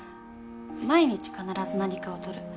毎日必ず何かを撮る。